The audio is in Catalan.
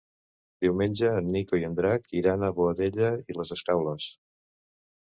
Diumenge en Nico i en Drac iran a Boadella i les Escaules.